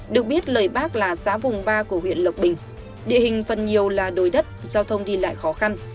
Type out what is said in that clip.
được biết lợi bác là xá vùng ba của huyện lộc bình địa hình phần nhiều là đồi đất giao thông đi lại khó khăn